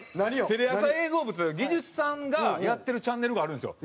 「テレ朝映像部」っていう技術さんがやってるチャンネルがあるんですよ。